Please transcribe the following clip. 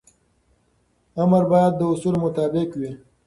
امر باید د اصولو مطابق وي.